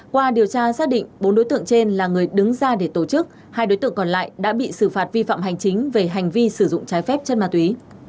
qua điều tra xác định bốn đối tượng trên là người đứng ra để tổ chức hai đối tượng còn lại đã bị xử phạt vi phạm hành chính về hành vi sử dụng trái phép chất ma túy